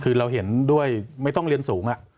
คือเราเห็นด้วยไม่ต้องเรียนสูง